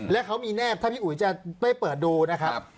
และเขามีแนบถ้าพี่อุ๋ยจะไปเปิดดูนะครับ